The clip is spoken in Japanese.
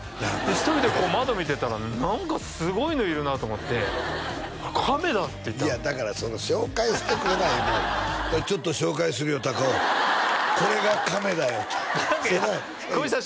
１人でこう窓見てたら何かすごいのいるなと思って「カメだ」って言ったらいやだから紹介してくれない言うけど「ちょっと紹介するよたかおこれがカメだよ」って何かいや浩市さん